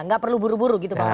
gak perlu buru buru gitu pak rodi